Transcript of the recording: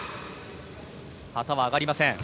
旗は上がりません。